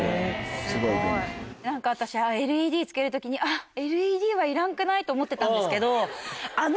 私ＬＥＤ付ける時に「ＬＥＤはいらんくない？」と思ってたんですけど。